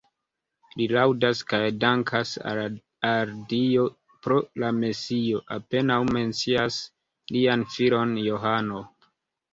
Li laŭdas kaj dankas al Dio pro la Mesio, apenaŭ mencias lian filon Johano.